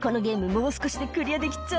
もう少しでクリアできっぞ」